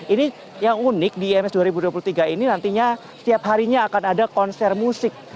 ini yang unik di ims dua ribu dua puluh tiga ini nantinya setiap harinya akan ada konser musik